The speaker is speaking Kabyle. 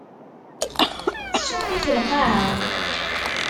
Tsum-it lqaɛa.